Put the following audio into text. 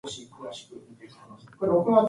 He was subsequently hospitalised after this arrest.